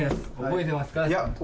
覚えていますか。